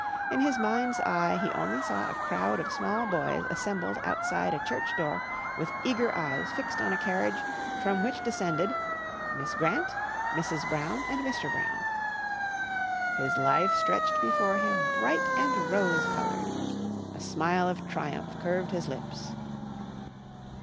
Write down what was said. In his mind's eye he only saw a crowd of small boys assembled outside a church door with eager eyes fixed on a carriage from which descended Miss Grant, Mrs. Brown, and Mr. Brown. His life stretched before him bright and rose coloured. A smile of triumph curved his lips.